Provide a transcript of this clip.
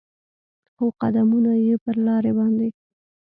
خو قدمونو یې پر لارې باندې